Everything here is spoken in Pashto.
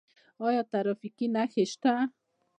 آیا ټرافیکي نښې شته؟